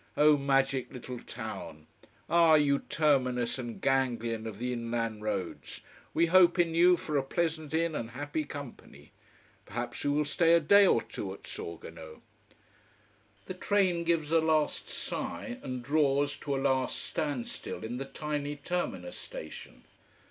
Oh magic little town. Ah, you terminus and ganglion of the inland roads, we hope in you for a pleasant inn and happy company. Perhaps we will stay a day or two at Sorgono. The train gives a last sigh, and draws to a last standstill in the tiny terminus station.